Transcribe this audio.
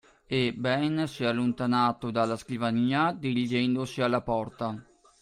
E Ben si allontanò dalla scrivania, dirigendosi alla porta.